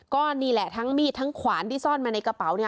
ก็นี่แหละทั้งมีดทั้งขวานที่ซ่อนมาในกระเป๋าเนี่ย